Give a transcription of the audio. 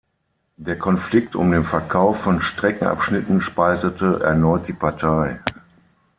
Der Konflikt um den Verkauf von Streckenabschnitten spaltete erneut die Partei.